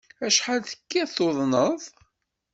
Acḥal tekkiḍ tuḍneḍ?